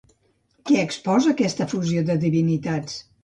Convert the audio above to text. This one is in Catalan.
Què exposa aquesta fusió de divinitats?